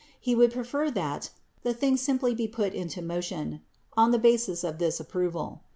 He would prefer that the thing simply he put into motion on the basis of this approval.